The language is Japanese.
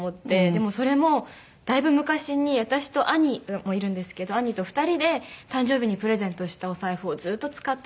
でもそれもだいぶ昔に私と兄もいるんですけど兄と２人で誕生日にプレゼントしたお財布をずっと使ってて。